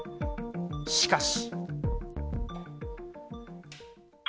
しかし。